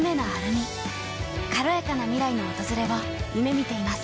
軽やかな未来の訪れを夢みています。